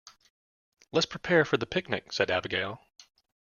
"Let's prepare for the picnic!", said Abigail.